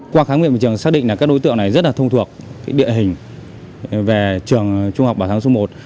qua kháng nghiệp trường xác định là các đối tượng này rất là thông thuộc địa hình về trường trung học bảo thắng số một